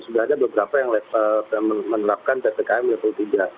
sudah ada beberapa yang menerapkan ppkm level tiga